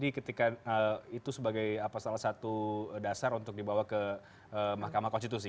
ketika itu sebagai salah satu dasar untuk dibawa ke mahkamah konstitusi